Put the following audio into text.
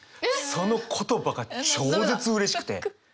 その言葉が超絶うれしくて！